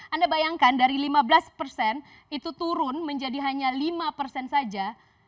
anda bayangkan dari lima belas persen itu turun menjadi hanya lima persen saja